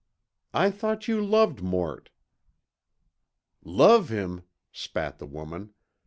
"I thought you loved Mort." "Love him?" spat the woman.